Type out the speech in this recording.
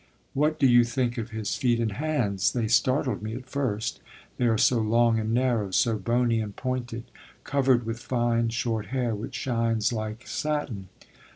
What do you think of his feet and hands? They startled me at first; they are so long and narrow, so bony and pointed, covered with fine short hair which shines like satin.